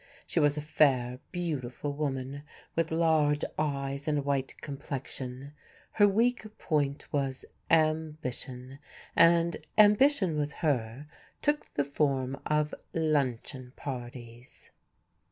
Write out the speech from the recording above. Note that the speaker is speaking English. She was a fair, beautiful woman, with large eyes and a white complexion. Her weak point was ambition, and ambition with her took the form of luncheon parties.